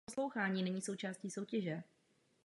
To stejné platí i naopak.